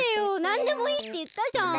なんでもいいっていったじゃん！